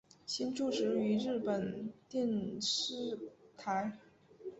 现就职于日本电视台。